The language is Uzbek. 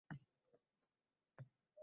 Sir – noma’lumlik – g’ayb…